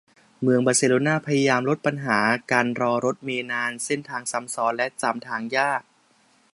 เมืองบาร์เซโลน่า พยายามลดปัญหาการรอรถเมล์นาน เส้นทางซ้ำซ้อน และจำทางยาก